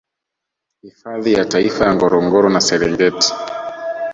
Hifadhi ya Taifa ya Ngorongoro na Serengeti